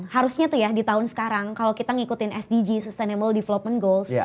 harusnya tuh ya di tahun sekarang kalau kita ngikutin sdg sustainable development goals